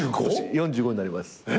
４５になります。